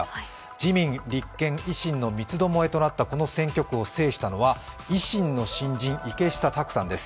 自民・立憲・維新の三つどもえとなったこの選挙区を制したのは維新の新人・池下卓さんです。